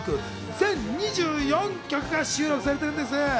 全２４曲が収録されているんです。